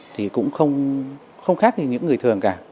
thì cũng không khác như những người thường cả